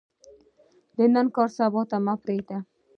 د نن کار، سبا ته مه پریږده.